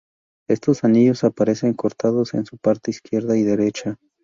Estos anillos aparecen cortados en su parte izquierda y derecha.